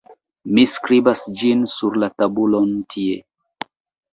mi skribas ĝin sur la tabulon tie.